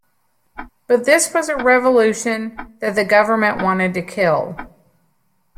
But this was a revolution that the government wanted to kill.